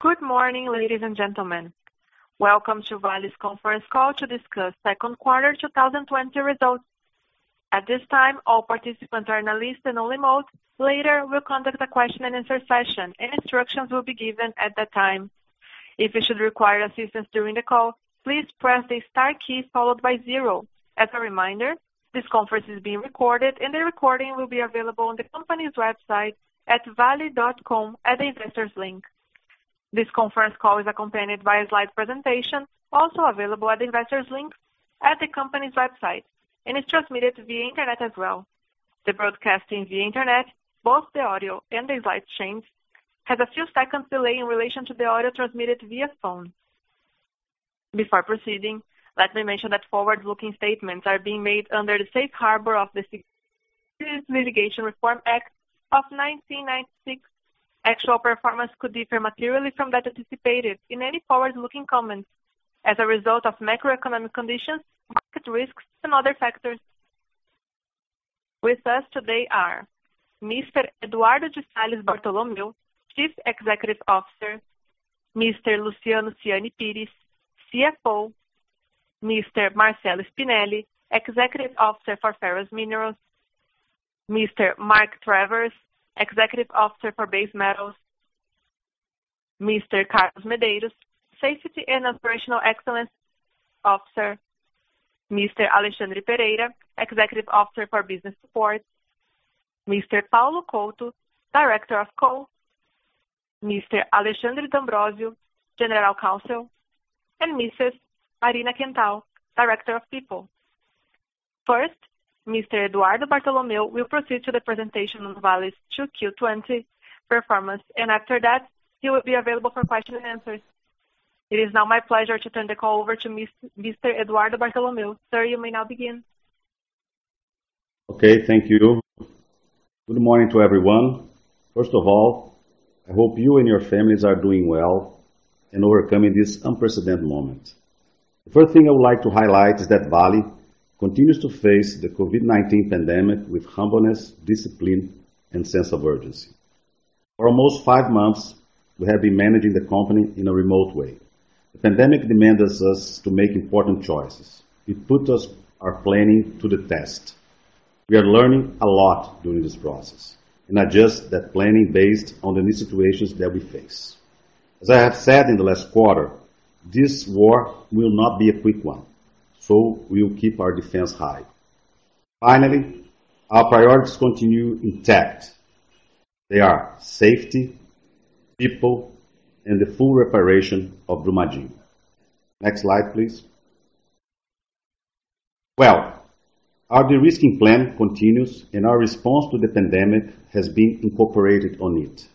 Good morning, ladies and gentlemen. Welcome to Vale's conference call to discuss second quarter 2020 results. At this time, all participants are on a listen-only mode. Later, we'll conduct a question-and-answer session, and instructions will be given at that time. If you should require assistance during the call, please press the star key followed by zero. As a reminder, this conference is being recorded, and the recording will be available on the company's website at vale.com at the Investors link. This conference call is accompanied by a slide presentation, also available at Investors link at the company's website and is transmitted via internet as well. The broadcasting via internet, both the audio and the slide changes, has a few seconds delay in relation to the audio transmitted via phone. Before proceeding, let me mention that forward-looking statements are being made under the safe harbor of the Securities Litigation Reform Act of 1996. Actual performance could differ materially from that anticipated in any forward-looking comments as a result of macroeconomic conditions, market risks, and other factors. With us today are Mr. Eduardo de Salles Bartolomeo, Chief Executive Officer, Mr. Luciano Siani Pires, CFO, Mr. Marcello Spinelli, Executive Officer for Ferrous Minerals, Mr. Mark Travers, Executive Officer for Base Metals, Mr. Carlos Medeiros, Safety and Operational Excellence Officer, Mr. Alexandre Pereira, Executive Officer for Business Support, Mr. Paulo Couto, Director of Coal, Mr. Alexandre D'Ambrosio, General Counsel, and Mrs. Marina Quental, Director of People. First, Mr. Eduardo Bartolomeo will proceed to the presentation of Vale's 2Q20 performance, and after that, he will be available for question and answers. It is now my pleasure to turn the call over to Mr. Eduardo Bartolomeo. Sir, you may now begin. Okay. Thank you. Good morning to everyone. First of all, I hope you and your families are doing well and overcoming this unprecedented moment. The first thing I would like to highlight is that Vale continues to face the COVID-19 pandemic with humbleness, discipline, and sense of urgency. For almost five months, we have been managing the company in a remote way. The pandemic demands us to make important choices. It puts our planning to the test. We are learning a lot during this process and adjust that planning based on the new situations that we face. As I have said in the last quarter, this war will not be a quick one, so we'll keep our defense high. Finally, our priorities continue intact. They are safety, people, and the full reparation of Brumadinho. Next slide, please. Our de-risking plan continues. Our response to the pandemic has been incorporated on it.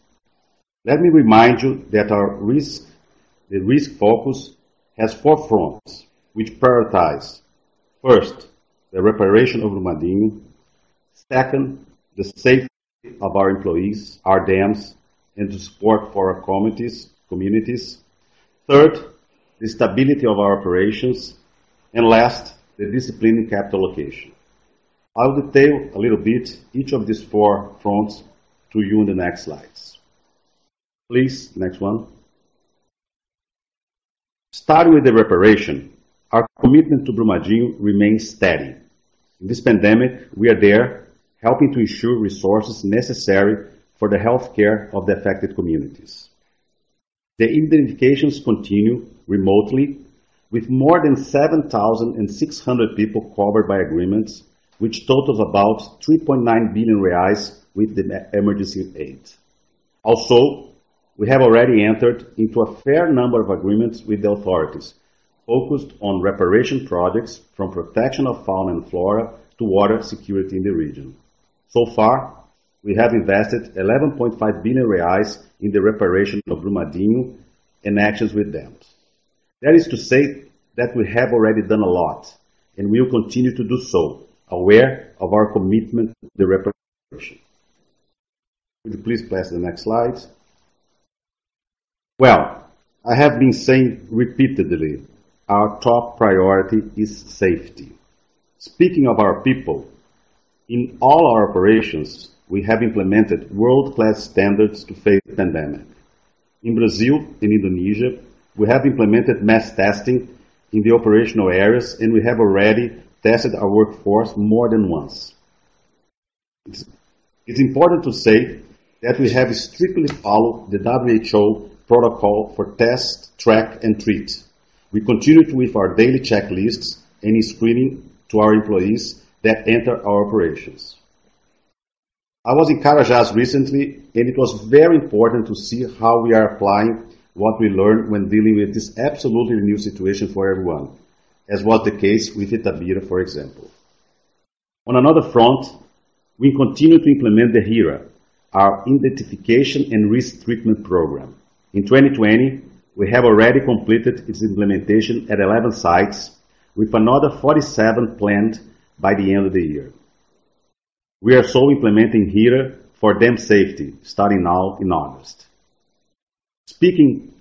Let me remind you that our risk focus has four fronts, which prioritize, first, the reparation of Brumadinho. Second, the safety of our employees, our dams, and the support for our communities. Third, the stability of our operations. Last, the discipline in capital allocation. I'll detail a little bit each of these four fronts to you in the next slides. Please, next one. Starting with the reparation, our commitment to Brumadinho remains steady. In this pandemic, we are there helping to ensure resources necessary for the healthcare of the affected communities. The indemnifications continue remotely with more than 7,600 people covered by agreements, which totals about 3.9 billion reais with the emergency aid. We have already entered into a fair number of agreements with the authorities focused on reparation projects from protection of fauna and flora to water security in the region. We have invested 11.5 billion reais in the reparation of Brumadinho and actions with dams. That is to say that we have already done a lot, and we will continue to do so, aware of our commitment to the reparation. Could you please flash the next slide? I have been saying repeatedly, our top priority is safety. Speaking of our people, in all our operations, we have implemented world-class standards to face the pandemic. In Brazil and Indonesia, we have implemented mass testing in the operational areas, and we have already tested our workforce more than once. It's important to say that we have strictly followed the WHO protocol for test, track, and treat. We continue with our daily checklists and screening to our employees that enter our operations. I was in Carajás recently, and it was very important to see how we are applying what we learned when dealing with this absolutely new situation for everyone, as was the case with Itabira, for example. On another front, we continue to implement the HIRA, our Identification and Risk Treatment program. In 2020, we have already completed its implementation at 11 sites, with another 47 planned by the end of the year. We are also implementing HIRA for dam safety starting now in August. Speaking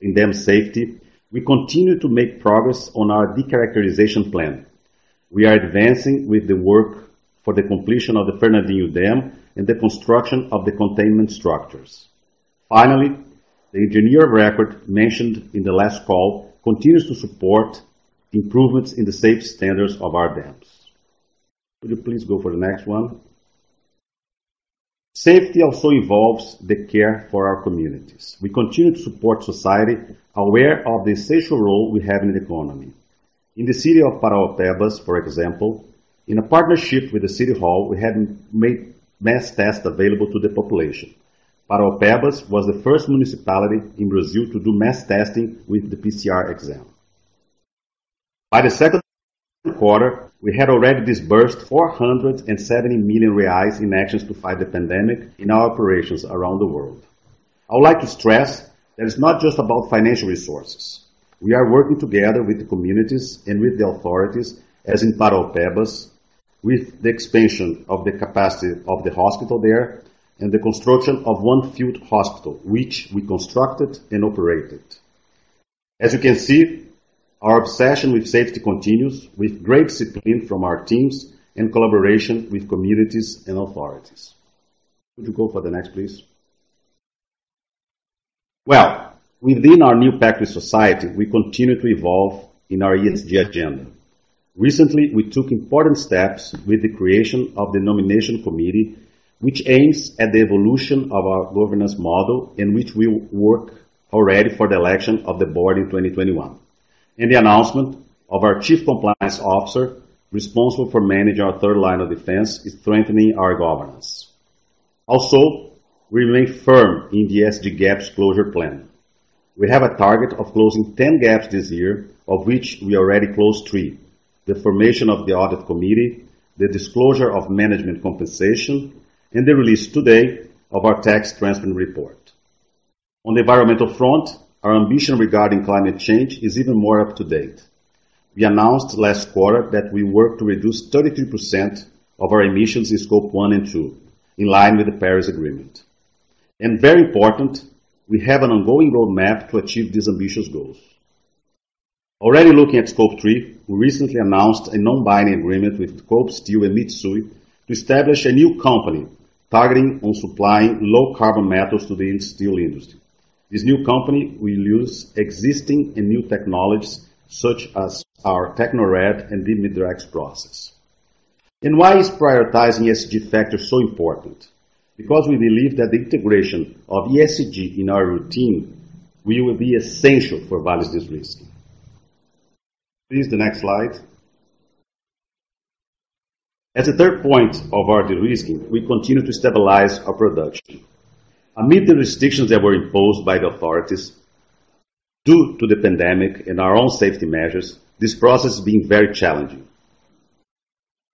in dam safety, we continue to make progress on our de-characterization plan. We are advancing with the work for the completion of the Fernandinho dam and the construction of the containment structures. Finally, the engineer of record mentioned in the last call continues to support improvements in the safe standards of our dams. Could you please go for the next one? Safety also involves the care for our communities. We continue to support society, aware of the essential role we have in the economy. In the city of Parauapebas, for example, in a partnership with the city hall, we have made mass tests available to the population. Parauapebas was the first municipality in Brazil to do mass testing with the PCR exam. By the second quarter, we had already disbursed 470 million reais in actions to fight the pandemic in our operations around the world. I would like to stress that it's not just about financial resources. We are working together with the communities and with the authorities, as in Parauapebas, with the expansion of the capacity of the hospital there and the construction of one field hospital, which we constructed and operated. As you can see, our obsession with safety continues with great discipline from our teams in collaboration with communities and authorities. Could you go for the next, please? Well, within our new pact with society, we continue to evolve in our ESG agenda. Recently, we took important steps with the creation of the nomination committee, which aims at the evolution of our governance model and which will work already for the election of the board in 2021. The announcement of our Chief Compliance Officer responsible for managing our third line of defense is strengthening our governance. Also, we remain firm in the ESG gaps closure plan. We have a target of closing 10 gaps this year, of which we already closed three. The formation of the audit committee, the disclosure of management compensation, and the release today of our tax transparent report. On the environmental front, our ambition regarding climate change is even more up to date. We announced last quarter that we work to reduce 33% of our emissions in Scope 1 and Scope 2 in line with the Paris Agreement. Very important, we have an ongoing roadmap to achieve these ambitious goals. Already looking at Scope 3, we recently announced a non-binding agreement with Kobe Steel and Mitsui to establish a new company targeting on supplying low-carbon metals to the steel industry. This new company will use existing and new technologies such as our Tecnored and the MIDREX process. Why is prioritizing ESG factors so important? We believe that the integration of ESG in our routine will be essential for Vale's de-risking. Please, the next slide. As a third point of our de-risking, we continue to stabilize our production amid the restrictions that were imposed by the authorities due to the pandemic and our own safety measures, this process has been very challenging.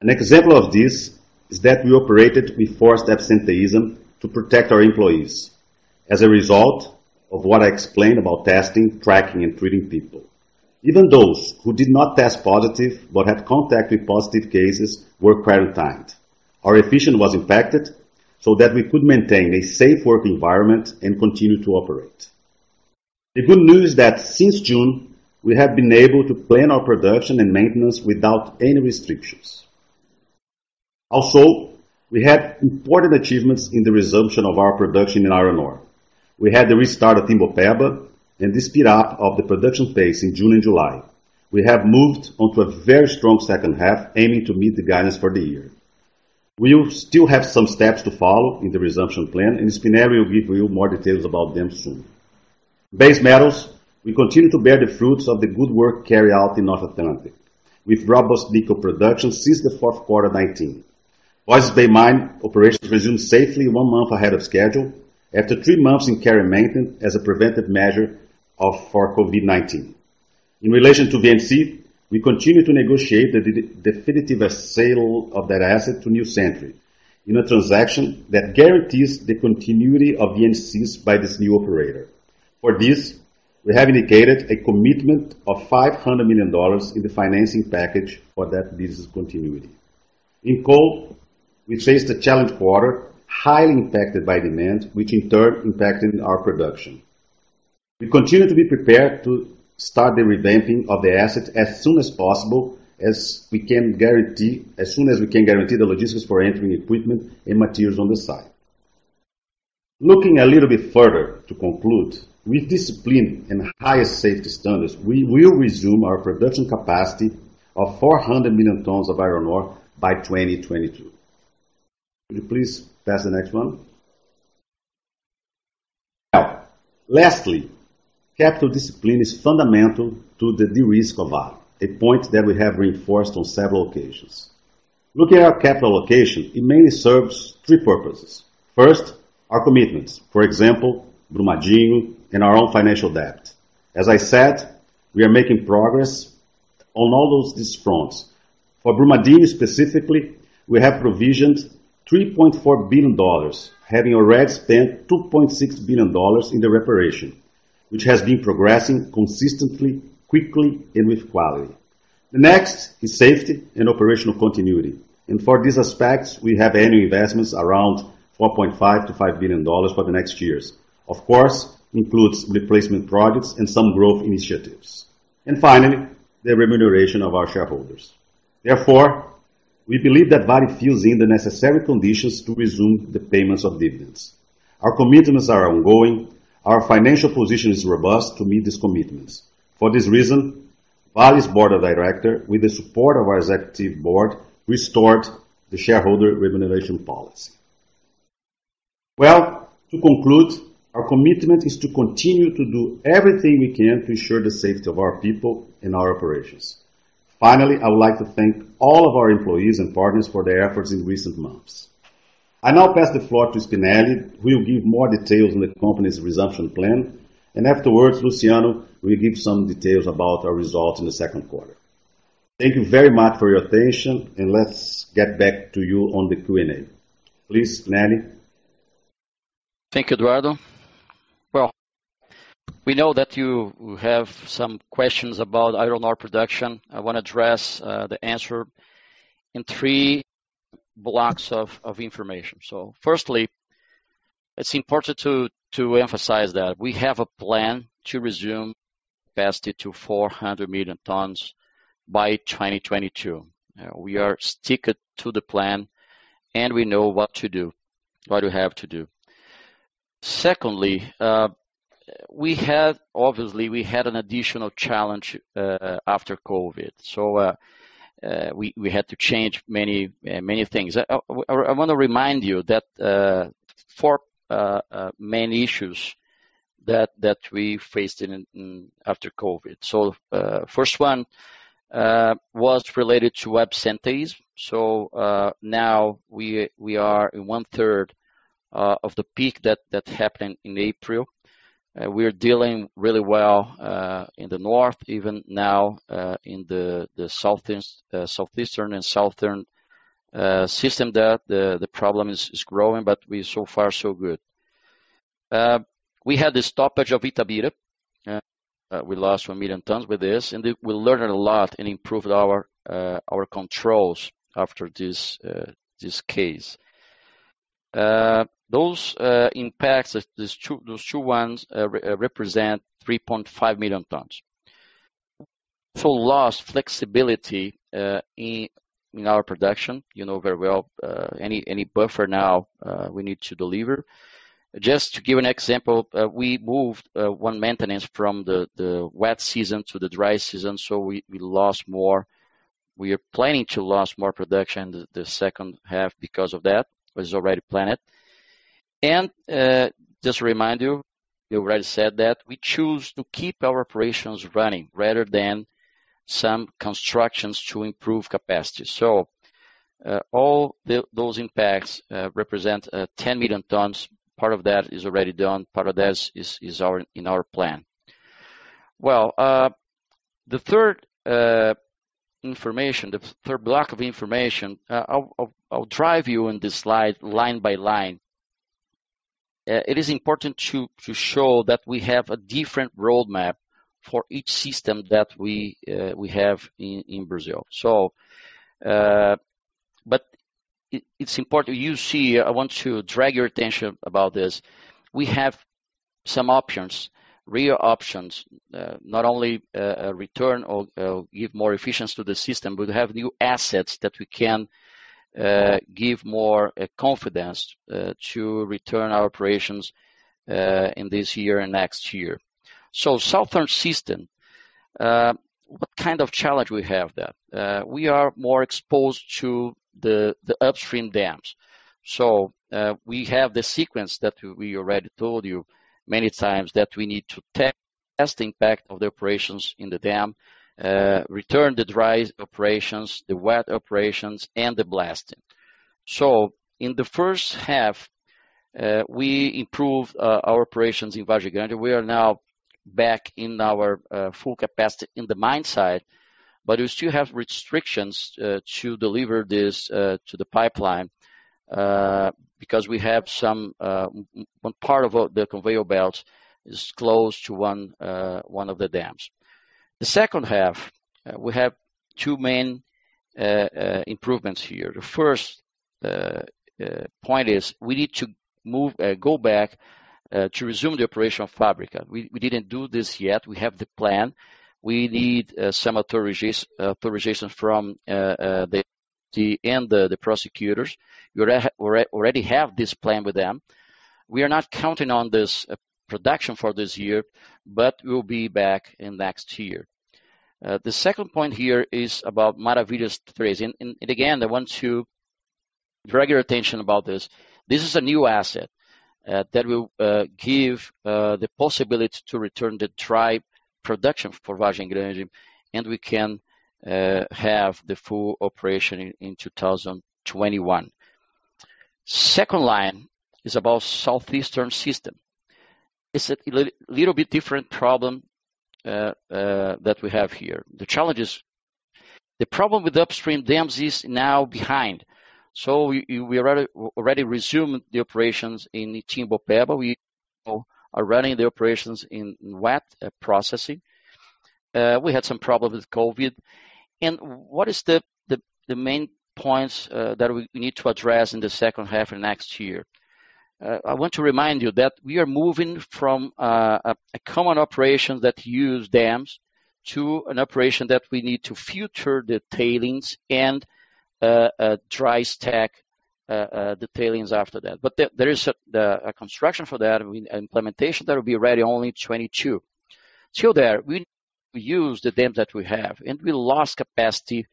An example of this is that we operated with forced absenteeism to protect our employees as a result of what I explained about testing, tracking, and treating people. Even those who did not test positive but had contact with positive cases were quarantined. Our efficiency was impacted so that we could maintain a safe work environment and continue to operate. The good news is that since June, we have been able to plan our production and maintenance without any restrictions. We had important achievements in the resumption of our production in iron ore. We had the restart of Timbopeba and the speed up of the production pace in June and July. We have moved on to a very strong second half, aiming to meet the guidance for the year. We will still have some steps to follow in the resumption plan and Spinelli will give you more details about them soon. We continue to bear the fruits of the good work carried out in North Atlantic with robust nickel production since the fourth quarter 2019. Voisey's Bay mine operations resumed safely one month ahead of schedule after three months in care and maintenance as a preventive measure for COVID-19. In relation to VNC, we continue to negotiate the definitive sale of that asset to New Century in a transaction that guarantees the continuity of VNC's by this new operator. For this, we have indicated a commitment of $500 million in the financing package for that business continuity. In coal, we faced a challenged quarter, highly impacted by demand, which in turn impacted our production. We continue to be prepared to start the revamping of the asset as soon as possible, as soon as we can guarantee the logistics for entering equipment and materials on the site. Looking a little bit further to conclude, with discipline and highest safety standards, we will resume our production capacity of 400 million tons of iron ore by 2022. Could you please pass the next one? Well, lastly, capital discipline is fundamental to the de-risk of Vale, a point that we have reinforced on several occasions. Looking at our capital allocation, it mainly serves three purposes. First, our commitments, for example, Brumadinho and our own financial debt. As I said, we are making progress on all those fronts. For Brumadinho specifically, we have provisioned $3.4 billion, having already spent $2.6 billion in the reparation, which has been progressing consistently, quickly, and with quality. The next is safety and operational continuity. For these aspects, we have annual investments around $4.5 billion-$5 billion for the next years. Of course, includes replacement projects and some growth initiatives. Finally, the remuneration of our shareholders. Therefore, we believe that Vale fills in the necessary conditions to resume the payments of dividends. Our commitments are ongoing. Our financial position is robust to meet these commitments. For this reason, Vale's Board of Director, with the support of our Executive Board, restored the Shareholder Remuneration Policy. Well, to conclude, our commitment is to continue to do everything we can to ensure the safety of our people and our operations. Finally, I would like to thank all of our employees and partners for their efforts in recent months. I now pass the floor to Spinelli, who will give more details on the company's resumption plan. Afterwards, Luciano will give some details about our results in the second quarter. Thank you very much for your attention, and let's get back to you on the Q&A. Please, Spinelli. Thank you, Eduardo. Well, we know that you have some questions about iron ore production. I want to address the answer in three blocks of information. Firstly, it is important to emphasize that we have a plan to resume capacity to 400 million tons by 2022. We are sticking to the plan, we know what to do, what we have to do. Secondly, obviously, we had an additional challenge after COVID. We had to change many things. I want to remind you four main issues that we faced after COVID. First one was related to absenteeism. Now we are in 1/3 of the peak that happened in April. We're dealing really well in the north, even now in the southeastern and southern system the problem is growing, we're so far so good. We had the stoppage of Itabira. We lost 1 million tons with this. We learned a lot and improved our controls after this case. Those impacts, those two, represent 3.5 million tons. Full loss flexibility in our production. You know very well any buffer now we need to deliver. Just to give an example, we moved one maintenance from the wet season to the dry season. We lost more. We are planning to lose more production the second half because of that. It was already planned. Just to remind you already said that we choose to keep our operations running rather than some constructions to improve capacity. All those impacts represent 10 million tons. Part of that is already done. Part of this is in our plan. Well, the third block of information, I'll drive you on this slide line by line. It is important to show that we have a different roadmap for each system that we have in Brazil. It's important you see, I want to drag your attention about this. We have some options, real options. Not only a return or give more efficiency to the system, we'll have new assets that we can give more confidence to return our operations in this year and next year. Southern System, what kind of challenge we have there? We are more exposed to the upstream dams. We have the sequence that we already told you many times that we need to test the impact of the operations in the dam, return the dry operations, the wet operations, and the blasting. In the first half, we improved our operations in Vargem Grande. We are now back in our full capacity in the mine site, but we still have restrictions to deliver this to the pipeline because we have one part of the conveyor belt is closed to one of the dams. The second half, we have two main improvements here. The first point is we need to go back to resume the operation of Fábrica. We didn't do this yet. We have the plan. We need some authorization from the entity and the prosecutors. We already have this plan with them. We are not counting on this production for this year, but we'll be back in next year. The second point here is about Maravilhas III. Again, I want to drag your attention about this. This is a new asset that will give the possibility to return the dry production for Vargem Grande, and we can have the full operation in 2021. Second line is about southeastern system. It's a little bit different problem that we have here. The challenges, the problem with upstream dams is now behind. We already resumed the operations in Timbopeba. We are running the operations in wet processing. We had some problems with COVID-19. What is the main points that we need to address in the second half of next year? I want to remind you that we are moving from a common operation that use dams to an operation that we need to filter the tailings and dry stack the tailings after that. There is a construction for that, implementation that will be ready only 2022. Till there, we use the dam that we have. We lost capacity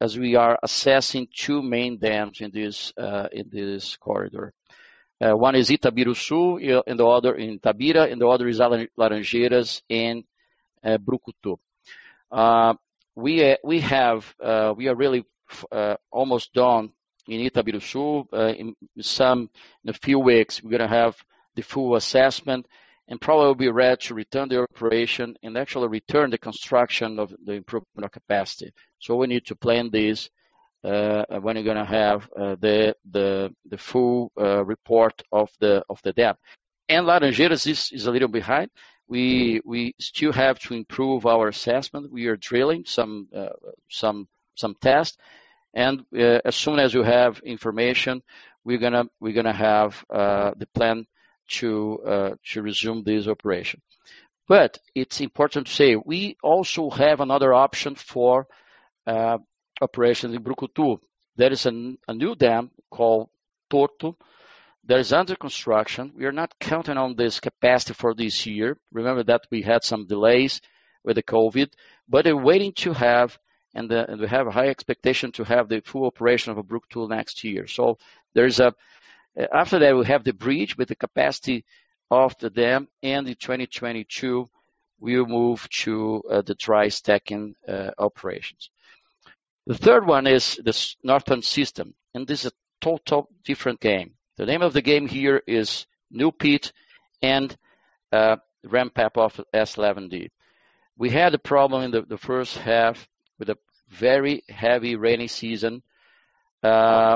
as we are assessing two main dams in this corridor. One is Itabiruçu in Itabira. The other is Laranjeiras in Brucutu. We are really almost done in Itabiruçu. In a few weeks, we're going to have the full assessment and probably be ready to return the operation and actually return the construction of the improvement of capacity. We need to plan this when we're going to have the full report of the dam. Laranjeiras is a little behind. We still have to improve our assessment. We are drilling some tests. As soon as you have information, we're going to have the plan to resume this operation. It's important to say, we also have another option for operations in Brucutu. There is a new dam called Torto that is under construction. We are not counting on this capacity for this year. Remember that we had some delays with the COVID, but we are waiting to have, and we have a high expectation to have the full operation of Brucutu next year. After that, we have the bridge with the capacity of the dam, and in 2022, we will move to the dry stacking operations. The third one is this Northern System, and this is a total different game. The name of the game here is New Pit and ramp up of S11D. We had a problem in the first half with a very heavy rainy season.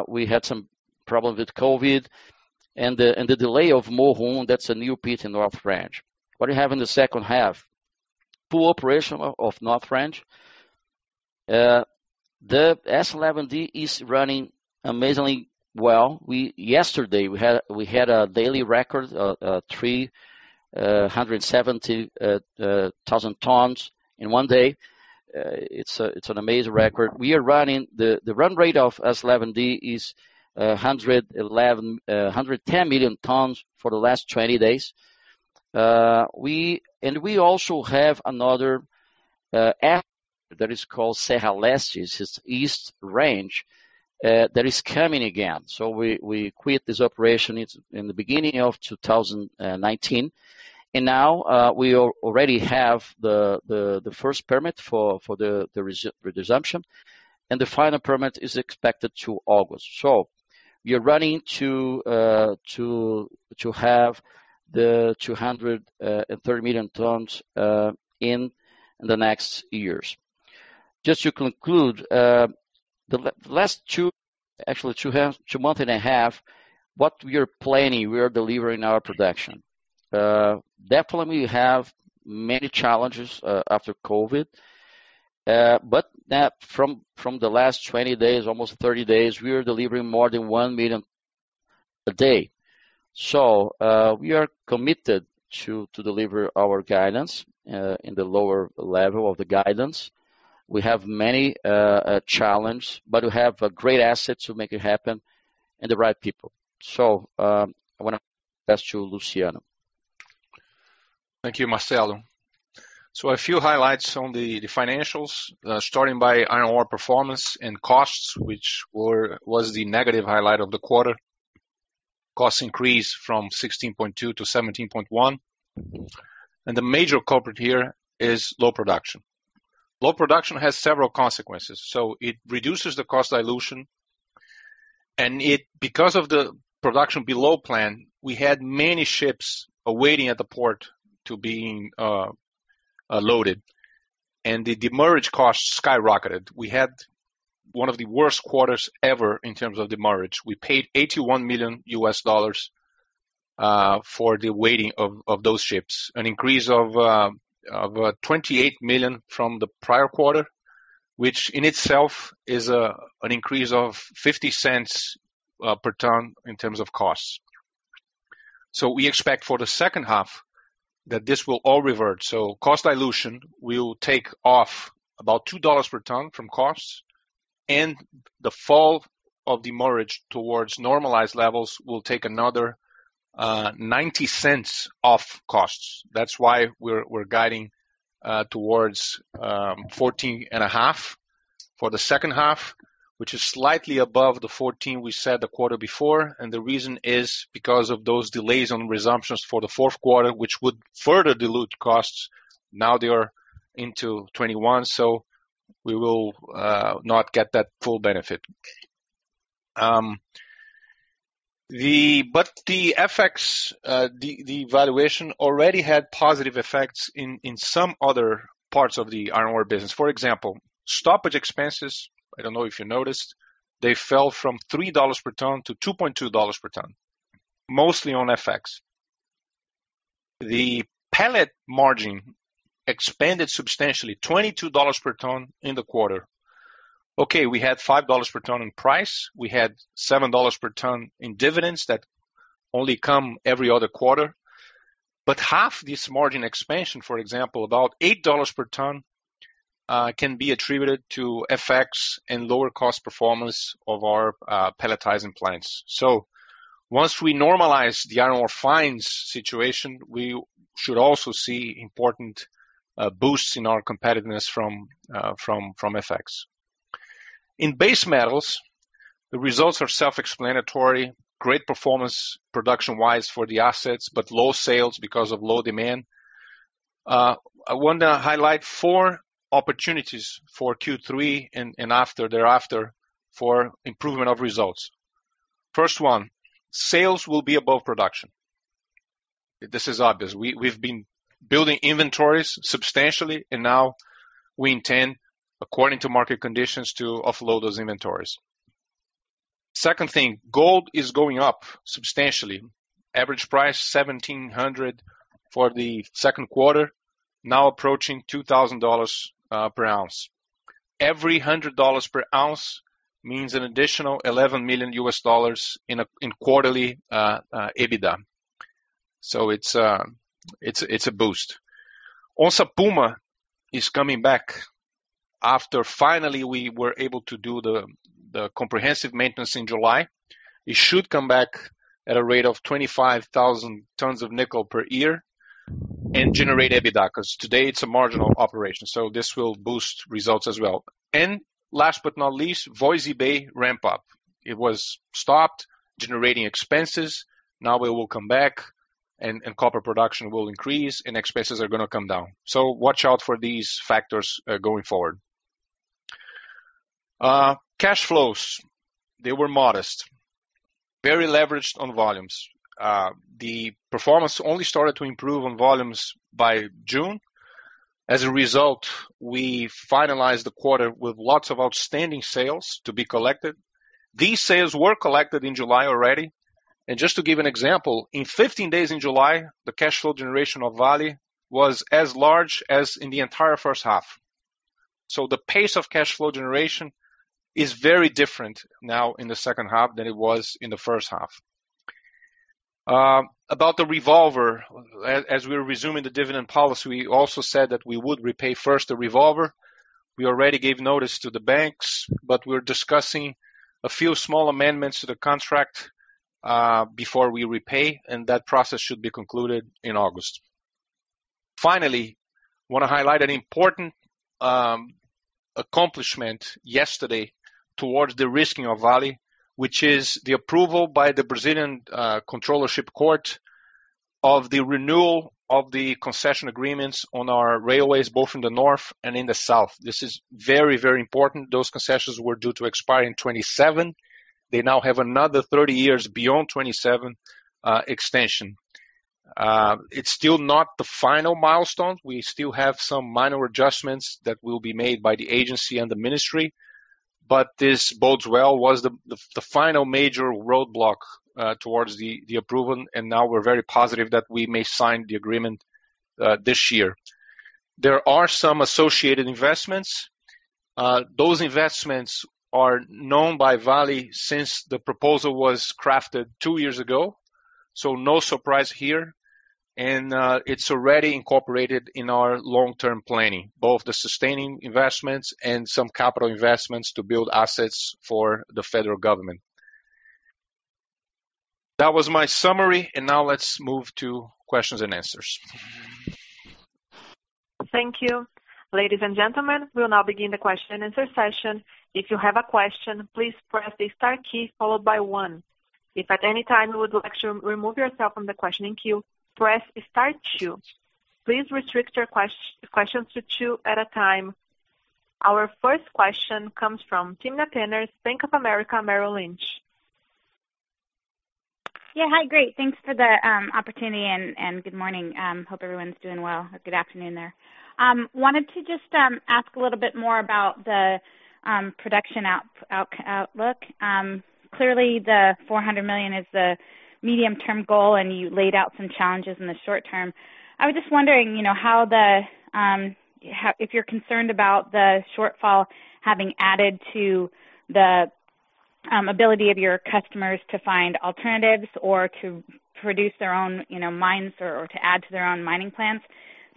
We had some problems with COVID and the delay of Morro, that is a new pit in North Range. What do you have in the second half? Full operation of North Range. The S11D is running amazingly well. Yesterday, we had a daily record of 370,000 tons in one day. It's an amazing record. The run rate of S11D is 110 million tons for the last 20 days. We also have another that is called Serra Leste, it's east range, that is coming again. We quit this operation in the beginning of 2019, and now we already have the first permit for the resumption. The final permit is expected to August. We are running to have the 230 million tons in the next years. Just to conclude, the last two, actually 2.5 months, what we are planning, we are delivering our production. Definitely, we have many challenges after COVID-19. From the last 20 days, almost 30 days, we are delivering more than 1 million a day. We are committed to deliver our guidance in the lower level of the guidance. We have many challenges, but we have a great asset to make it happen and the right people. I want to pass to Luciano. Thank you, Marcello. A few highlights on the financials, starting by iron ore performance and costs, which was the negative highlight of the quarter. Costs increase from $16.2-$17.1, and the major culprit here is low production. Low production has several consequences. It reduces the cost dilution, and because of the production below plan, we had many ships waiting at the port to being loaded, and the demurrage costs skyrocketed. We had one of the worst quarters ever in terms of demurrage. We paid $81 million for the waiting of those ships, an increase of about $28 million from the prior quarter, which in itself is an increase of $0.50 per ton in terms of costs. We expect for the second half that this will all revert. Cost dilution will take off about $2 per ton from costs, and the fall of demurrage towards normalized levels will take another $0.90 off costs. That's why we're guiding towards $14.5 for the second half, which is slightly above the $14 we said the quarter before. The reason is because of those delays on resumptions for the fourth quarter, which would further dilute costs now they are into 2021. We will not get that full benefit. The FX, devaluation already had positive effects in some other parts of the iron ore business. For example, stoppage expenses, I don't know if you noticed, they fell from $3 per ton to $2.20 per ton, mostly on FX. The pellet margin expanded substantially, $22 per ton in the quarter. Okay, we had $5 per ton in price, we had $7 per ton in dividends that only come every other quarter. Half this margin expansion, for example, about $8 per ton, can be attributed to FX and lower cost performance of our pelletizing plants. Once we normalize the iron ore fines situation, we should also see important boosts in our competitiveness from FX. In base metals, the results are self-explanatory, great performance production-wise for the assets, but low sales because of low demand. I want to highlight four opportunities for Q3 and thereafter for improvement of results. First one, sales will be above production. This is obvious. We've been building inventories substantially, now we intend, according to market conditions, to offload those inventories. Second thing, gold is going up substantially. Average price $1,700 for the second quarter, now approaching $2,000 per ounce. Every $100 per ounce means an additional $11 million in quarterly EBITDA. It's a boost. Onça Puma is coming back after finally we were able to do the comprehensive maintenance in July. It should come back at a rate of 25,000 tons of nickel per year and generate EBITDA, because today it's a marginal operation, this will boost results as well. Last but not least, Voisey's Bay ramp-up. It was stopped, generating expenses. Now it will come back, and copper production will increase, and expenses are going to come down. Watch out for these factors going forward. Cash flows. They were modest, very leveraged on volumes. The performance only started to improve on volumes by June. As a result, we finalized the quarter with lots of outstanding sales to be collected. These sales were collected in July already. Just to give an example, in 15 days in July, the cash flow generation of Vale was as large as in the entire first half. The pace of cash flow generation is very different now in the second half than it was in the first half. About the revolver, as we're resuming the dividend policy, we also said that we would repay first the revolver. We already gave notice to the banks, but we're discussing a few small amendments to the contract before we repay, and that process should be concluded in August. Finally, I want to highlight an important accomplishment yesterday towards de-risking of Vale, which is the approval by the Brazilian Controllership Court of the renewal of the concession agreements on our railways, both in the North and in the South. This is very, very important. Those concessions were due to expire in 2027. They now have another 30 years beyond 2027 extension. It's still not the final milestone. We still have some minor adjustments that will be made by the agency and the ministry, but this bodes well. It was the final major roadblock towards the approval, and now we're very positive that we may sign the agreement this year. There are some associated investments. Those investments are known by Vale since the proposal was crafted two years ago, so no surprise here, and it's already incorporated in our long-term planning, both the sustaining investments and some capital investments to build assets for the federal government. That was my summary, and now let's move to questions and answers. Thank you. Ladies and gentlemen, we'll now begin the question and answer session. If you have a question, please press the star key followed by one. If at any time you would like to remove yourself from the questioning queue, press star two. Please restrict your questions to two at a time. Our first question comes from Timna Tanners, Bank of America Merrill Lynch. Yeah. Hi. Great. Thanks for the opportunity, good morning. Hope everyone's doing well, or good afternoon there. Wanted to just ask a little bit more about the production outlook. Clearly, the 400 million tons is the medium-term goal, you laid out some challenges in the short-term. I was just wondering if you're concerned about the shortfall having added to the ability of your customers to find alternatives or to produce their own mines or to add to their own mining plans,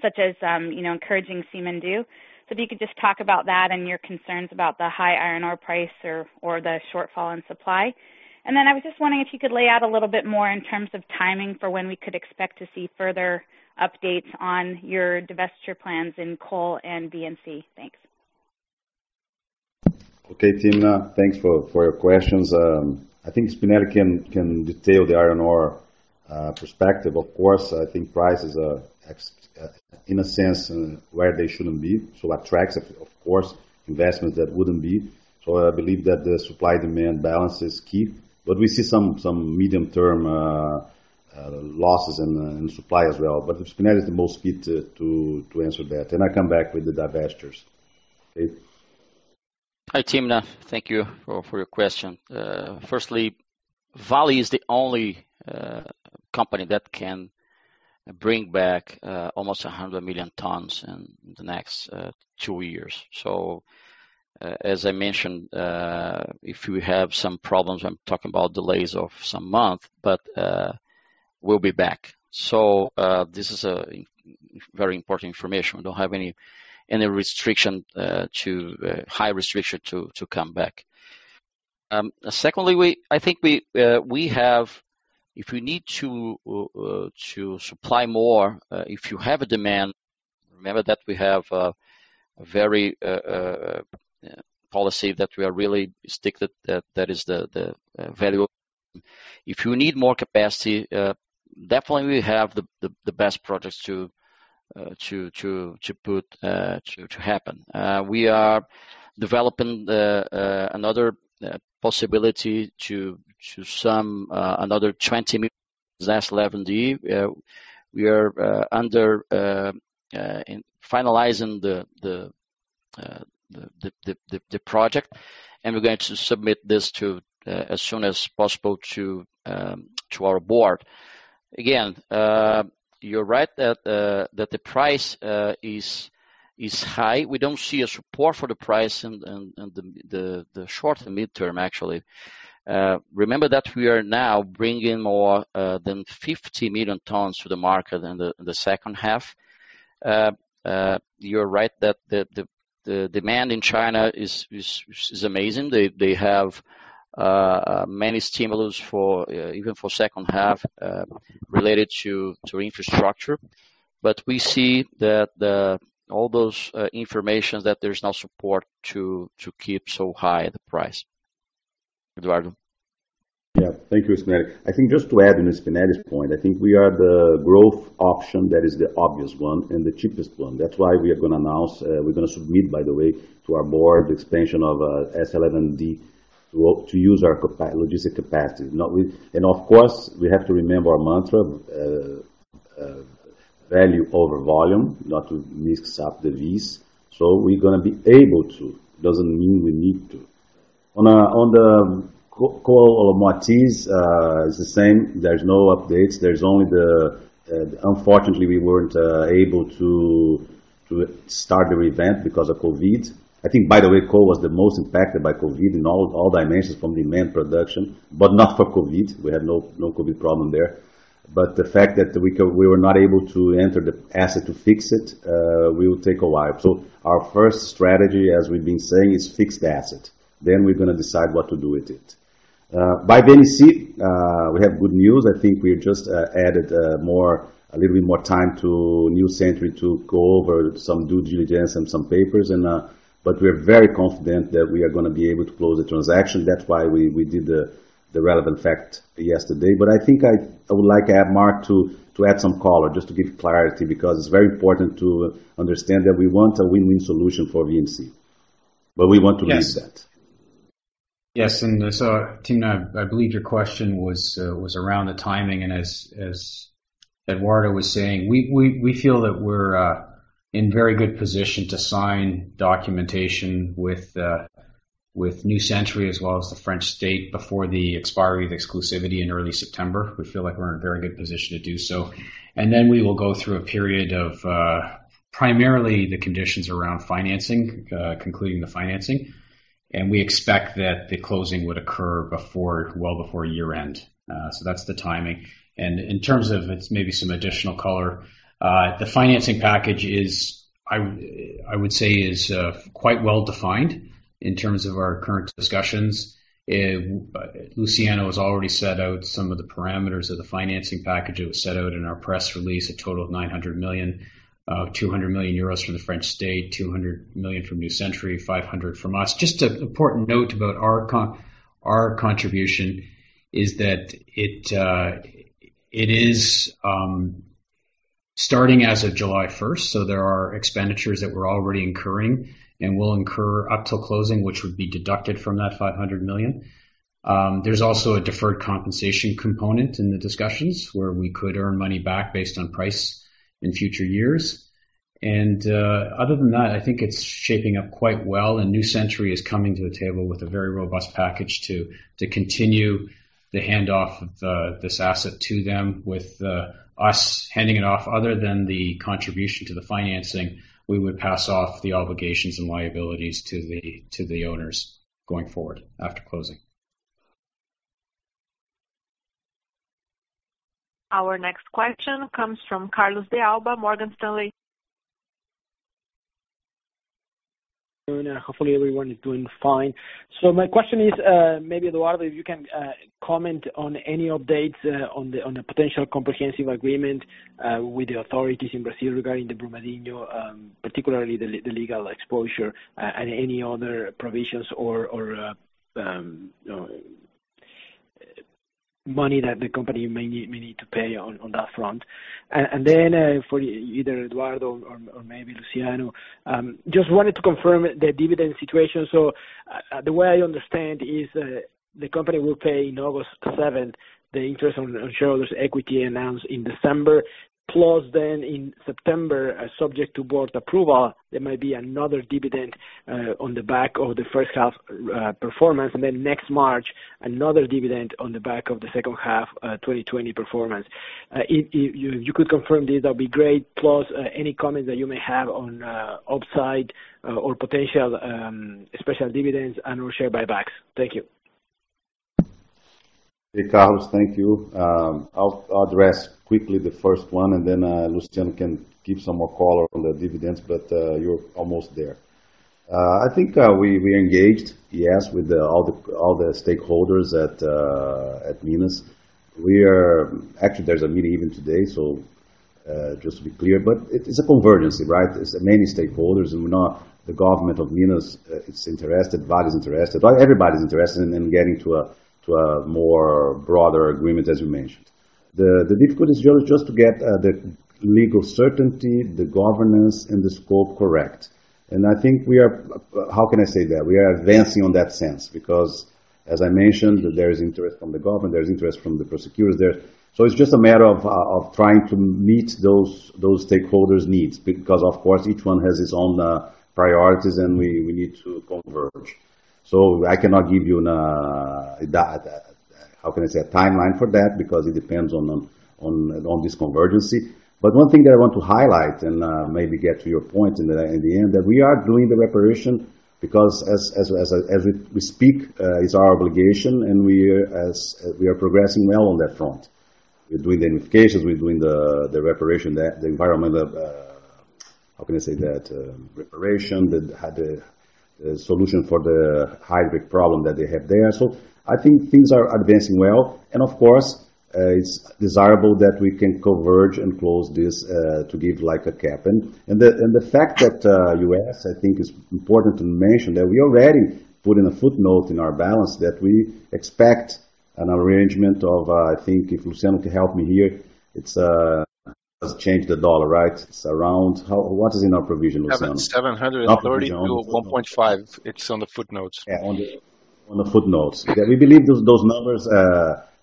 such as encouraging Simandou. If you could just talk about that and your concerns about the high iron ore price or the shortfall in supply. I was just wondering if you could lay out a little bit more in terms of timing for when we could expect to see further updates on your divestiture plans in coal and VNC. Thanks. Okay, Timna. Thanks for your questions. I think Spinelli can detail the iron ore perspective. Of course, I think prices are, in a sense, where they shouldn't be, so attracts, of course, investment that wouldn't be. I believe that the supply-demand balance is key. We see some medium-term losses in supply as well. Spinelli is the most fit to answer that. I come back with the divestitures. Okay? Hi, Timna. Thank you for your question. Vale is the only company that can bring back almost 100 million tonnes in the next two years. As I mentioned, if we have some problems, I'm talking about delays of some month, but we'll be back. This is a very important information. We don't have any high restriction to come back. I think if you need to supply more, if you have a demand, remember that we have a policy that we are really strict, that is the value. If you need more capacity, definitely we have the best projects to happen. We are developing another possibility to some another 20 million tonnes S11D. We are finalizing the project, and we're going to submit this as soon as possible to our board. Again, you're right that the price is high. We don't see a support for the price in the short and midterm, actually. Remember that we are now bringing more than 50 million tonnes to the market in the second half. You're right that the demand in China is amazing. They have many stimulus even for second half related to infrastructure. We see that all those information that there's no support to keep so high the price. Eduardo. Yeah. Thank you, Spinelli. I think just to add on Spinelli's point, I think we are the growth option that is the obvious one and the cheapest one. That's why we're going to announce, we're going to submit, by the way, to our board the expansion of S11D to use our logistic capacity. Of course, we have to remember our mantra, value over volume, not to mix up the V's. We're going to be able to, doesn't mean we need to. On the call of Moatize, it's the same. There's no updates. Unfortunately, we weren't able to start the revamp because of COVID. I think by the way, coal was the most impacted by COVID in all dimensions from demand production, but not for COVID. We had no COVID problem there. The fact that we were not able to enter the asset to fix it will take a while. Our first strategy, as we've been saying, is fix the asset, then we're going to decide what to do with it. By VNC, we have good news. I think we just added a little bit more time to New Century to go over some due diligence and some papers. We're very confident that we are going to be able to close the transaction. That's why we did the relevant fact yesterday. I think I would like to add Mark to add some color just to give clarity, because it's very important to understand that we want a win-win solution for VNC, but we want to release that. Yes. Timna, I believe your question was around the timing. As Eduardo was saying, we feel that we're in very good position to sign documentation with New Century Resources as well as the French state before the expiry of exclusivity in early September. We feel like we're in a very good position to do so. We will go through a period of primarily the conditions around financing, concluding the financing, and we expect that the closing would occur well before year-end. That's the timing. In terms of maybe some additional color, the financing package I would say is quite well-defined in terms of our current discussions. Luciano has already set out some of the parameters of the financing package that was set out in our press release, a total of 900 million, 200 million euros from the French state, 200 million from New Century, 500 from us. Just an important note about our contribution is that it is starting as of July 1st, so there are expenditures that we're already incurring and will incur up till closing, which would be deducted from that 500 million. There's also a deferred compensation component in the discussions where we could earn money back based on price in future years. Other than that, I think it's shaping up quite well, and New Century is coming to the table with a very robust package to continue the handoff of this asset to them with us handing it off. Other than the contribution to the financing, we would pass off the obligations and liabilities to the owners going forward after closing. Our next question comes from Carlos De Alba, Morgan Stanley. Hopefully everyone is doing fine. My question is, maybe, Eduardo, if you can comment on any updates on the potential comprehensive agreement with the authorities in Brazil regarding the Brumadinho, particularly the legal exposure and any other provisions or money that the company may need to pay on that front. For either Eduardo or maybe Luciano, just wanted to confirm the dividend situation. The way I understand is the company will pay in August 7 the interest on shareholders' equity announced in December. In September, subject to board approval, there may be another dividend on the back of the first half performance, and then next March, another dividend on the back of the second half 2020 performance. If you could confirm this, that'd be great. Any comment that you may have on upside or potential special dividends and/or share buybacks. Thank you. Hey, Carlos. Thank you. I'll address quickly the first one, and then Luciano can give some more color on the dividends, but you're almost there. I think we engaged, yes, with all the stakeholders at Minas. Actually, there's a meeting even today, just to be clear. It's a convergency, right? There's many stakeholders, and we know the government of Minas is interested, Vale is interested. Everybody's interested in getting to a more broader agreement, as you mentioned. The difficulty is really just to get the legal certainty, the governance and the scope correct. I think we are, how can I say that? We are advancing on that sense because as I mentioned, there is interest from the government, there's interest from the prosecutors there. It's just a matter of trying to meet those stakeholders' needs because, of course, each one has its own priorities, and we need to converge. I cannot give you a timeline for that because it depends on this convergence. One thing that I want to highlight and maybe get to your point in the end, that we are doing the reparation because as we speak, it's our obligation, and we are progressing well on that front. We're doing the indications, we're doing the reparation, the environmental reparation that had a solution for the hydric problem that they have there. I think things are advancing well, and of course, it's desirable that we can converge and close this to give like a cap. The fact that you asked, I think it's important to mention that we already put in a footnote in our balance that we expect an arrangement of, I think if Luciano can help me here, it has changed the dollar, right? It's around How, what is in our provision, Luciano? 730 to 1.5. It's on the footnotes. Yeah, on the footnotes. We believe those numbers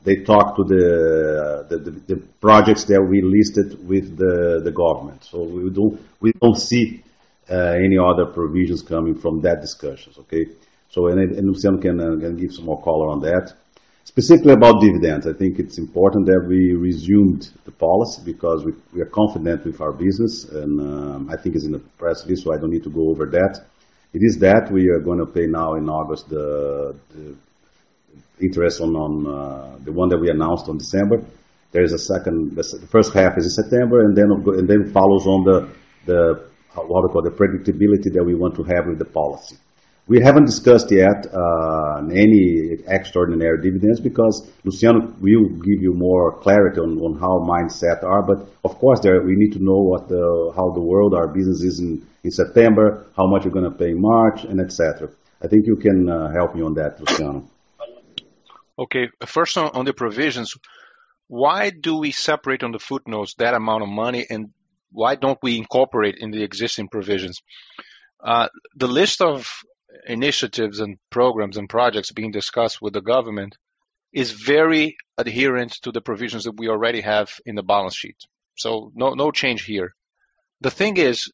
they talk to the projects that we listed with the government. We don't see any other provisions coming from that discussion, okay? Luciano can give some more color on that. Specifically about dividends, I think it's important that we resumed the policy because we are confident with our business, and I think it's in the press release, so I don't need to go over that. It is that we are going to pay now in August the interest on the one that we announced on December. The first half is in September, and then follows on the, how do I call it? The predictability that we want to have with the policy. We haven't discussed yet any extraordinary dividends because Luciano will give you more clarity on how mindset are. Of course, we need to know how the world our business is in September, how much we're going to pay in March, and et cetera. I think you can help me on that, Luciano. Okay. First on the provisions, why do we separate on the footnotes that amount of money, and why don't we incorporate in the existing provisions? The list of initiatives and programs and projects being discussed with the government is very adherent to the provisions that we already have in the balance sheet, so no change here. The thing is,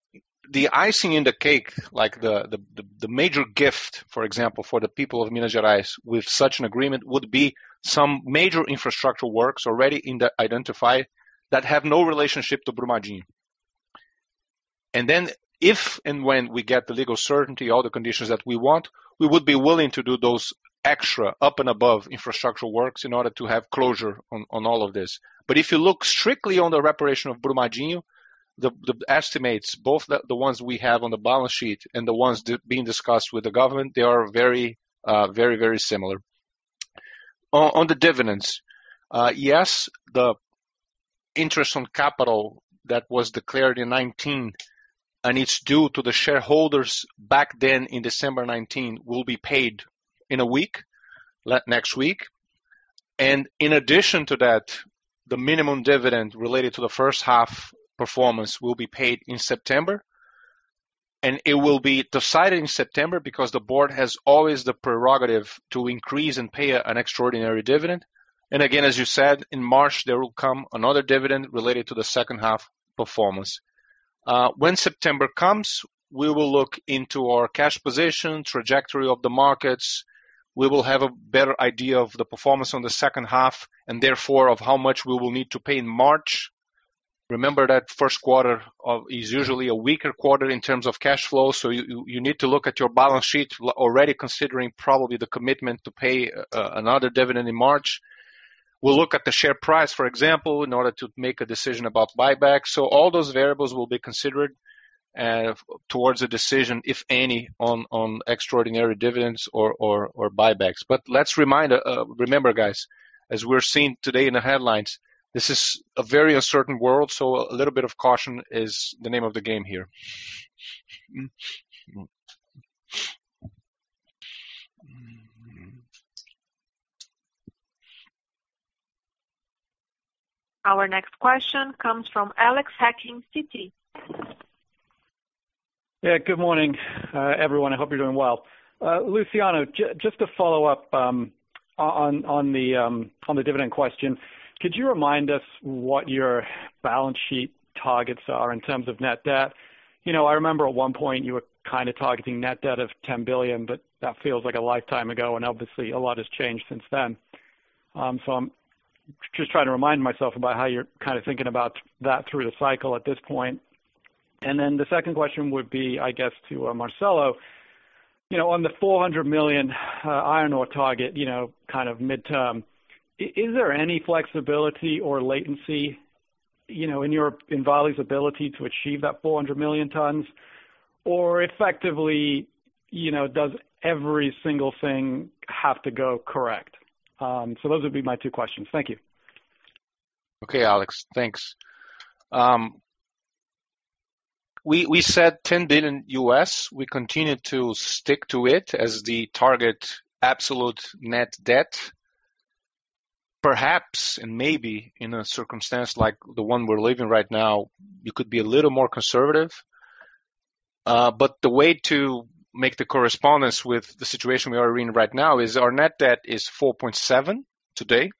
the icing in the cake, like the major gift, for example, for the people of Minas Gerais with such an agreement would be some major infrastructure works already identified that have no relationship to Brumadinho. If and when we get the legal certainty, all the conditions that we want, we would be willing to do those extra up and above infrastructure works in order to have closure on all of this. If you look strictly on the reparation of Brumadinho, the estimates, both the ones we have on the balance sheet and the ones being discussed with the government, they are very similar. On the dividends, yes, the interest on capital that was declared in 2019, and it's due to the shareholders back then in December 2019, will be paid in a week, next week. In addition to that, the minimum dividend related to the first half performance will be paid in September. It will be decided in September because the board has always the prerogative to increase and pay an extraordinary dividend. Again, as you said, in March, there will come another dividend related to the second half performance. When September comes, we will look into our cash position, trajectory of the markets. We will have a better idea of the performance on the second half, and therefore, of how much we will need to pay in March. Remember that first quarter is usually a weaker quarter in terms of cash flow. You need to look at your balance sheet already considering probably the commitment to pay another dividend in March. We'll look at the share price, for example, in order to make a decision about buybacks. All those variables will be considered towards a decision, if any, on extraordinary dividends or buybacks. Let's remember guys, as we're seeing today in the headlines, this is a very uncertain world, so a little bit of caution is the name of the game here. Our next question comes from Alex Hacking, Citi. Yeah. Good morning, everyone. I hope you're doing well. Luciano, just to follow up on the dividend question, could you remind us what your balance sheet targets are in terms of net debt? I remember at one point you were kind of targeting net debt of $10 billion. That feels like a lifetime ago, and obviously a lot has changed since then. I'm just trying to remind myself about how you're kind of thinking about that through the cycle at this point. The second question would be, I guess, to Marcello. On the 400 million iron ore target, kind of midterm, is there any flexibility or latency in Vale's ability to achieve that 400 million tons? Effectively, does every single thing have to go correct? Those would be my two questions. Thank you. Okay, Alex. Thanks. We said $10 billion. We continue to stick to it as the target absolute net debt. Perhaps, maybe in a circumstance like the one we are living right now, you could be a little more conservative. The way to make the correspondence with the situation we are in right now is our net debt is $4.7 billion today,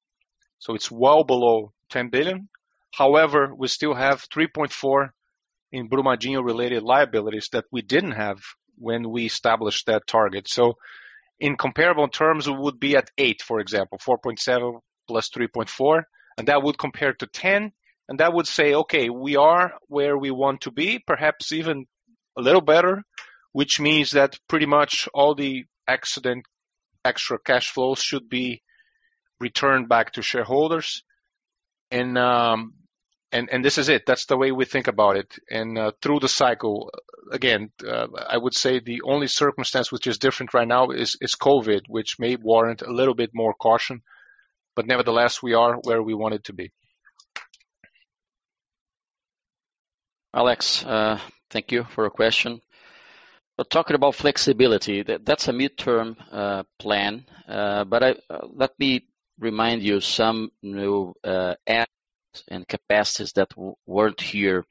so it is well below $10 billion. However, we still have $3.4 billion in Brumadinho-related liabilities that we didn't have when we established that target. In comparable terms, it would be at $8 billion, for example, $4.7 billion + $3.4 billion, that would compare to $10 billion, that would say, okay, we are where we want to be, perhaps even a little better, which means that pretty much all the accident extra cash flows should be returned back to shareholders. This is it. That's the way we think about it. Through the cycle, again, I would say the only circumstance which is different right now is COVID, which may warrant a little bit more caution. Nevertheless, we are where we wanted to be. Alex, thank you for your question. Talking about flexibility, that's a midterm plan. Let me remind you some new assets and capacities that weren't here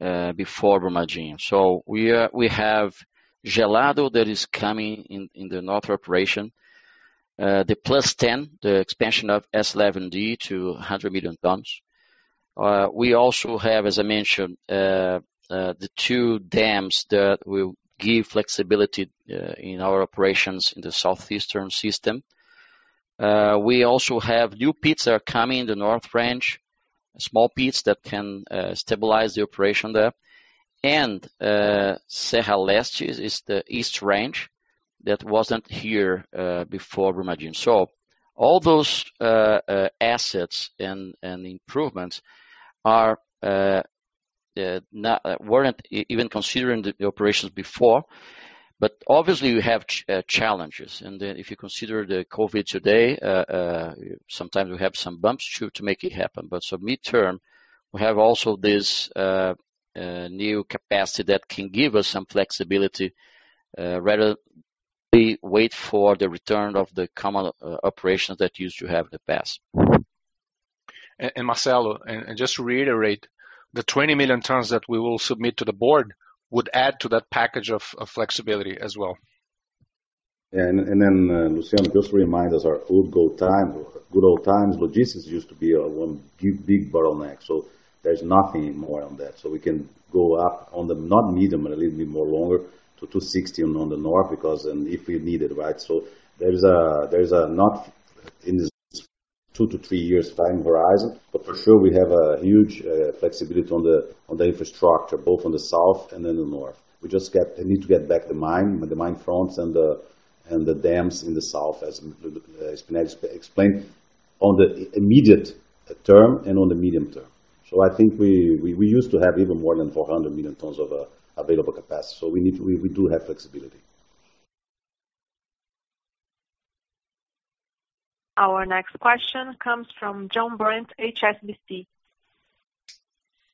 before Brumadinho. We have Gelado that is coming in the north operation. The Plus 10, the expansion of S11D to 100 million tons. We also have, as I mentioned, the two dams that will give flexibility in our operations in the southeastern system. We also have new pits that are coming in the north range, small pits that can stabilize the operation there. Serra Leste is the east range that wasn't here before Brumadinho. All those assets and improvements weren't even considering the operations before. Obviously we have challenges, and if you consider the COVID today, sometimes we have some bumps to make it happen. Midterm, we have also this new capacity that can give us some flexibility rather than wait for the return of the common operations that used to have in the past. Marcello, just to reiterate, the 20 million tons that we will submit to the board would add to that package of flexibility as well. Luciano, just to remind us our good old times, logistics used to be one big bottleneck. There's nothing more on that. We can go up on the not medium, but a little bit more longer to 260 on the North because and if we need it, right? There's a not in this two to three years time horizon, but for sure we have a huge flexibility on the infrastructure, both on the South and in the North. We just need to get back the mine fronts and the dams in the South, as Spinelli explained on the immediate term and on the medium-term. I think we used to have even more than 400 million tons of available capacity. We do have flexibility. Our next question comes from Jon Brandt, HSBC.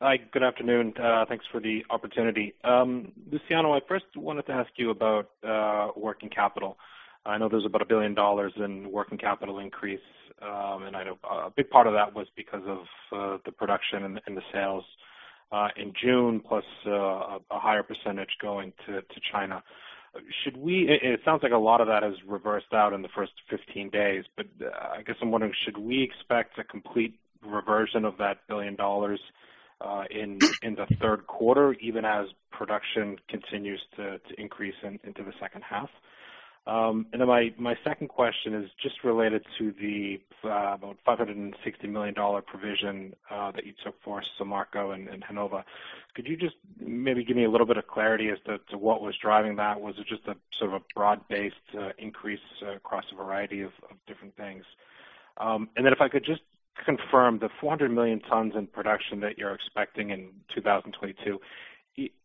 Hi, good afternoon. Thanks for the opportunity. Luciano, I first wanted to ask you about working capital. I know there's about a $1 billion in working capital increase. I know a big part of that was because of the production and the sales in June, plus a higher percentage going to China. It sounds like a lot of that has reversed out in the first 15 days, I guess I'm wondering, should we expect a complete reversion of that $1 billion in the third quarter, even as production continues to increase into the second half? My second question is just related to the about $560 million provision that you took for Samarco and Renova. Could you just maybe give me a little bit of clarity as to what was driving that? Was it just a sort of a broad-based increase across a variety of different things? If I could just confirm the 400 million tons in production that you're expecting in 2022.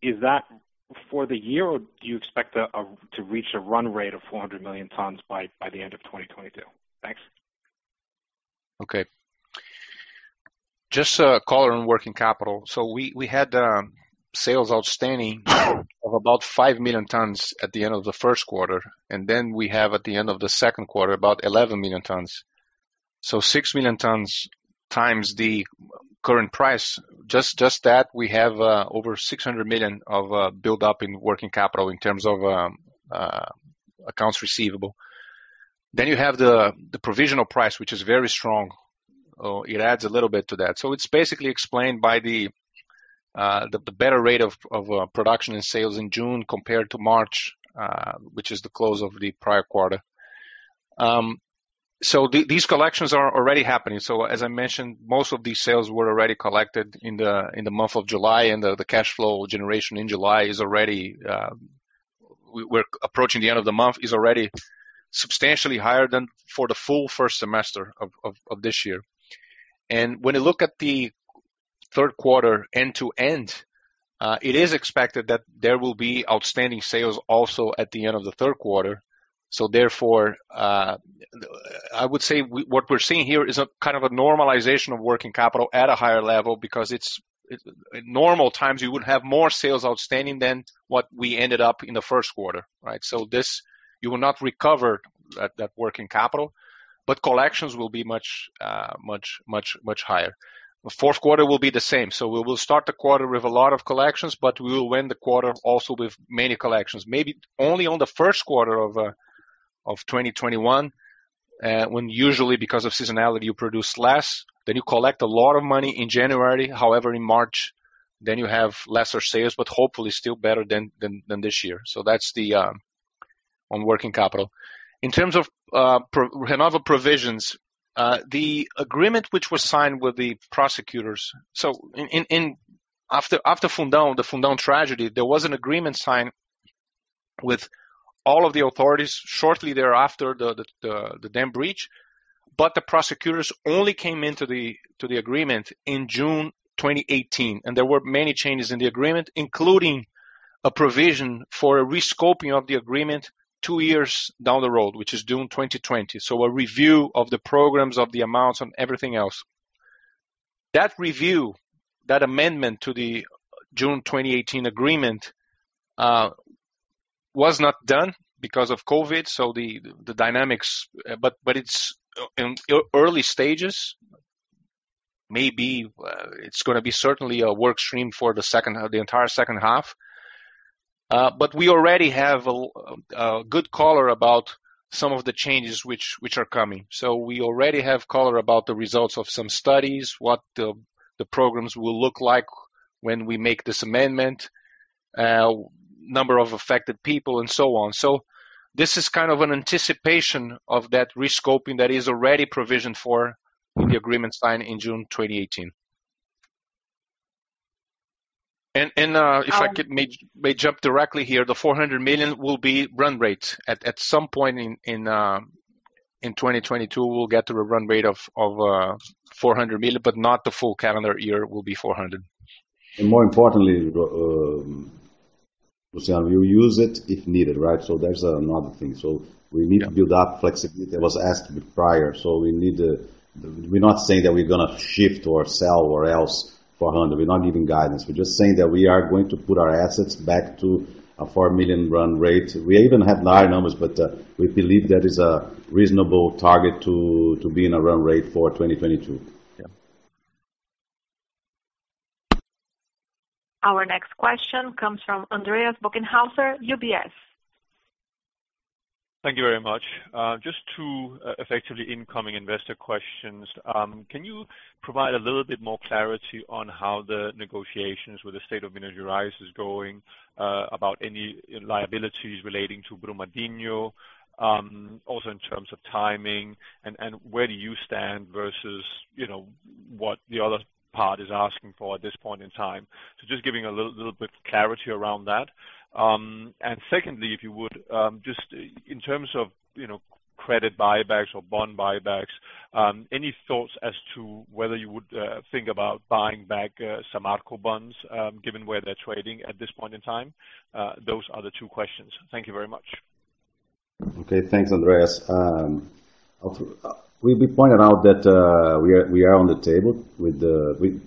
Is that for the year, or do you expect to reach a run rate of 400 million tons by the end of 2022? Thanks. Just a color on working capital. We had sales outstanding of about five million tons at the end of the first quarter, and then we have at the end of the second quarter, about 11 million tons. 6 million tons times the current price, just that, we have over $600 million of build-up in working capital in terms of accounts receivable. You have the provisional price, which is very strong. It adds a little bit to that. It's basically explained by the better rate of production and sales in June compared to March, which is the close of the prior quarter. These collections are already happening. As I mentioned, most of these sales were already collected in the month of July, and the cash flow generation in July, we're approaching the end of the month, is already substantially higher than for the full first semester of this year. When you look at the third quarter end-to-end, it is expected that there will be outstanding sales also at the end of the third quarter. Therefore, I would say what we're seeing here is a kind of a normalization of working capital at a higher level because in normal times, you would have more sales outstanding than what we ended up in the first quarter, right? This, you will not recover that working capital, but collections will be much higher. The fourth quarter will be the same. We will start the quarter with a lot of collections, but we will end the quarter also with many collections. Maybe only on the first quarter of 2021, when usually because of seasonality, you produce less, then you collect a lot of money in January. However, in March, then you have lesser sales, but hopefully still better than this year. That's on working capital. In terms of Renova provisions, the agreement which was signed with the prosecutors. After Fundão, the Fundão tragedy, there was an agreement signed with all of the authorities shortly thereafter the dam breach, but the prosecutors only came into the agreement in June 2018. There were many changes in the agreement, including a provision for a rescoping of the agreement two years down the road, which is June 2020. A review of the programs, of the amounts, and everything else. That review, that amendment to the June 2018 agreement, was not done because of COVID. The dynamics, but it's in early stages. Maybe it's gonna be certainly a work stream for the entire second half. We already have a good color about some of the changes which are coming. We already have color about the results of some studies, what the programs will look like when we make this amendment, number of affected people, and so on. This is kind of an anticipation of that rescoping that is already provisioned for in the agreement signed in June 2018. If I could may jump directly here, the 400 million tons will be run rate. At some point in 2022, we'll get to a run rate of 400 million tons, but not the full calendar year will be 400 million tons. More importantly, Luciano, we use it if needed, right? There's another thing. We need to build up flexibility that was asked prior. We're not saying that we're gonna shift or sell or else 400 million tons. We're not giving guidance. We're just saying that we are going to put our assets back to a 4 million run rate. We even have nine numbers, but we believe that is a reasonable target to be in a run rate for 2022. Yeah. Our next question comes from Andreas Bokkenheuser, UBS. Thank you very much. Just two effectively incoming investor questions. Can you provide a little bit more clarity on how the negotiations with the state of Minas Gerais is going about any liabilities relating to Brumadinho? In terms of timing and where do you stand versus what the other part is asking for at this point in time? Just giving a little bit of clarity around that. Secondly, if you would, just in terms of credit buybacks or bond buybacks, any thoughts as to whether you would think about buying back Samarco bonds given where they're trading at this point in time? Those are the two questions. Thank you very much. Okay. Thanks, Andreas. We pointed out that we are on the table.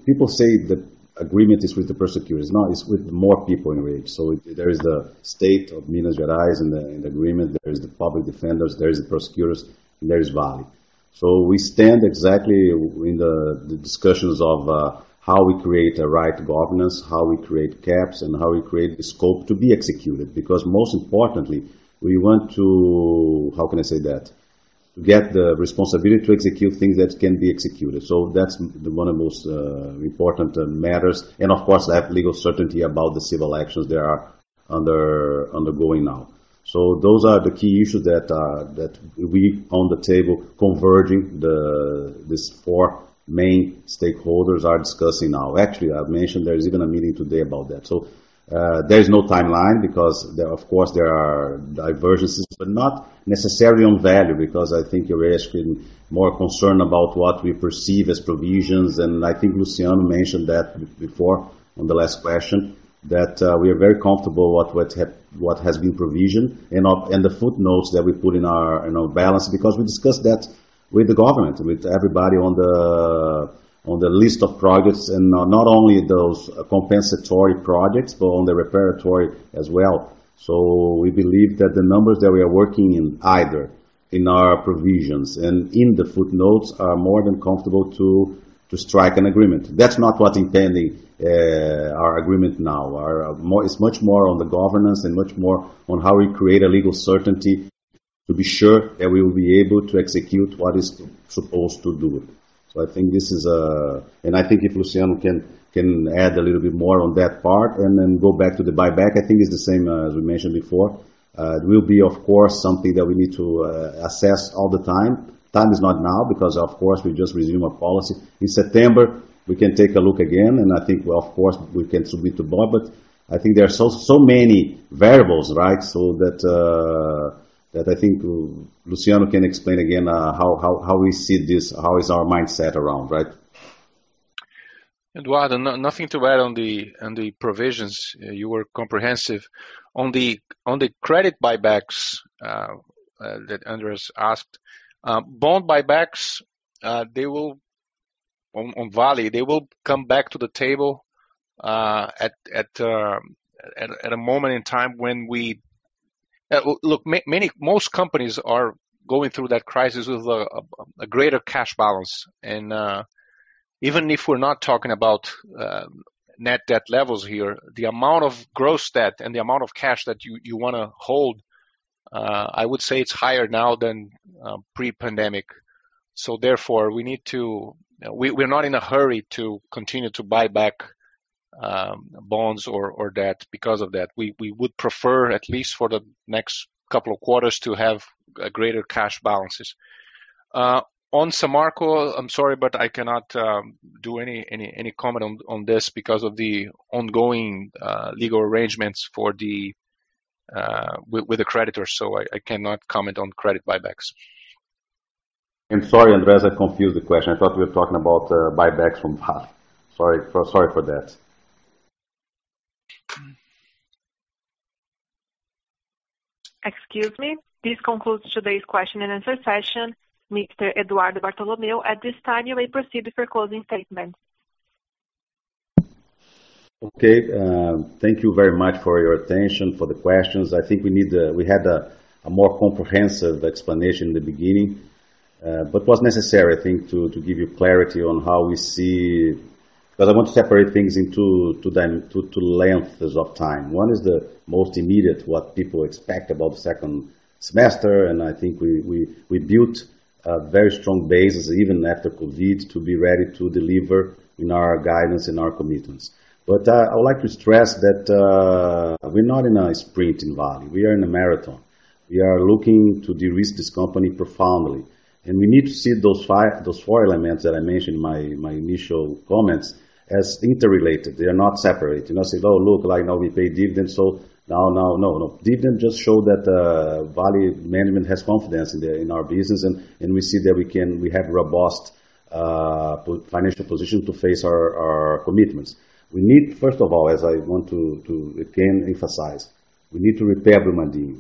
People say the agreement is with the prosecutors. No, it's with more people in reach. There is the state of Minas Gerais in the agreement, there is the public defenders, there is the prosecutors, and there is Vale. We stand exactly in the discussions of how we create the right governance, how we create caps, and how we create the scope to be executed. Because most importantly, we want to get the responsibility to execute things that can be executed. That's one of the most important matters. Of course, have legal certainty about the civil actions that are undergoing now. Those are the key issues that we on the table converging these four main stakeholders are discussing now. I've mentioned there is even a meeting today about that. There is no timeline because, of course, there are divergences, but not necessarily on value, because I think you're asking more concern about what we perceive as provisions. I think Luciano mentioned that before on the last question, that we are very comfortable what has been provisioned and the footnotes that we put in our balance because we discussed that with the government, with everybody on the list of projects, and not only those compensatory projects, but on the reparatory as well. We believe that the numbers that we are working in, either in our provisions and in the footnotes, are more than comfortable to strike an agreement. That's not what's impending our agreement now. It's much more on the governance and much more on how we create a legal certainty to be sure that we will be able to execute what is supposed to do. I think if Luciano can add a little bit more on that part and then go back to the buyback, I think it's the same as we mentioned before. It will be, of course, something that we need to assess all the time. Time is not now because, of course, we just resume our policy. In September, we can take a look again, and I think, of course, we can submit to the Board, but I think there are so many variables, right? That I think Luciano can explain again how we see this, how is our mindset around, right? Eduardo, nothing to add on the provisions. You were comprehensive. On the credit buybacks that Andreas asked, bond buybacks on Vale, they will come back to the table at a moment in time when we Look, most companies are going through that crisis with a greater cash balance. Even if we're not talking about net debt levels here, the amount of gross debt and the amount of cash that you want to hold, I would say it's higher now than pre-pandemic. Therefore, we're not in a hurry to continue to buy back bonds or debt because of that. We would prefer, at least for the next couple of quarters, to have greater cash balances. On Samarco, I'm sorry, but I cannot do any comment on this because of the ongoing legal arrangements with the creditors. I cannot comment on credit buybacks. I'm sorry, Andreas, I confused the question. I thought we were talking about buybacks from half. Sorry for that. Excuse me. This concludes today's question and answer session. Mr. Eduardo Bartolomeo, at this time, you may proceed with your closing statement. Okay. Thank you very much for your attention, for the questions. I think we had a more comprehensive explanation in the beginning. It was necessary, I think, to give you clarity on how we see. I want to separate things into lengths of time. One is the most immediate, what people expect about the second semester, and I think we built a very strong basis, even after COVID-19, to be ready to deliver in our guidance, in our commitments. I would like to stress that we're not in a sprint in Vale. We are in a marathon. We are looking to de-risk this company profoundly. We need to see those four elements that I mentioned in my initial comments as interrelated. They are not separate. You cannot say, "Oh, look, like now we pay dividend, so now, no." Dividend just show that Vale management has confidence in our business. We see that we have robust financial position to face our commitments. We need, first of all, as I want to, again, emphasize, we need to repair Brumadinho.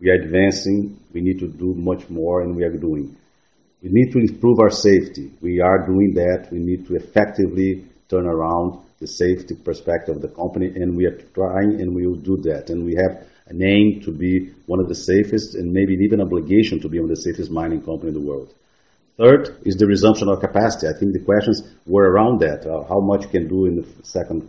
We are advancing. We need to do much more. We are doing. We need to improve our safety. We are doing that. We need to effectively turn around the safety perspective of the company, and we are trying, and we will do that. We have an aim to be one of the safest and maybe even obligation to be one of the safest mining company in the world. Third is the resumption of capacity. I think the questions were around that. How much you can do in the second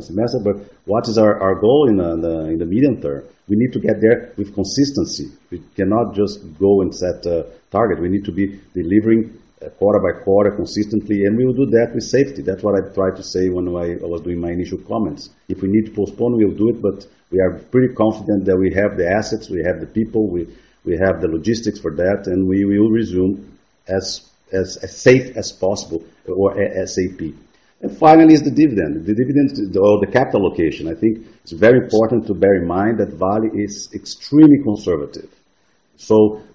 semester, what is our goal in the medium-term? We need to get there with consistency. We cannot just go and set a target. We need to be delivering quarter-by-quarter consistently, and we will do that with safety. That's what I tried to say when I was doing my initial comments. If we need to postpone, we'll do it, but we are pretty confident that we have the assets, we have the people, we have the logistics for that, and we will resume as safe as possible or ASAP. Finally is the dividend. The dividend or the capital allocation. I think it's very important to bear in mind that Vale is extremely conservative.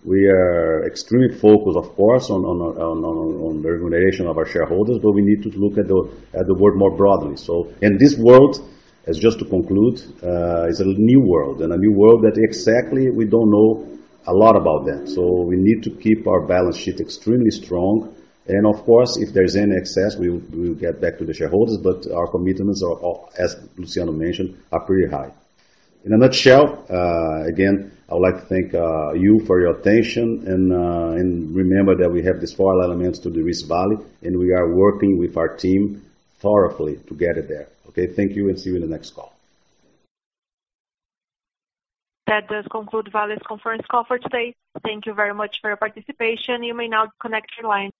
We are extremely focused, of course, on the remuneration of our shareholders, but we need to look at the world more broadly. This world, just to conclude, is a new world, and a new world that exactly we don't know a lot about that. We need to keep our balance sheet extremely strong. Of course, if there's any excess, we will get back to the shareholders, but our commitments are, as Luciano mentioned, are pretty high. In a nutshell, again, I would like to thank you for your attention, and remember that we have these four elements to de-risk Vale, and we are working with our team thoroughly to get it there. Okay, thank you, and see you in the next call. That does conclude Vale's conference call for today. Thank you very much for your participation. You may now disconnect your lines.